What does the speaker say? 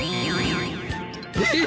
えっ！？